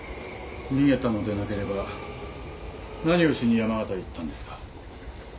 逃げたのでなければ何をしに山形へ行ったんですか？